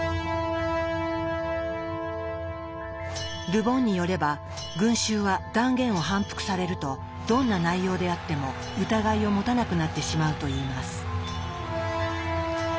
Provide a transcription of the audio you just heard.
ル・ボンによれば群衆は断言を反復されるとどんな内容であっても疑いを持たなくなってしまうといいます。